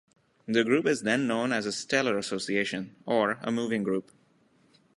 The group is then known as a stellar association, or a moving group.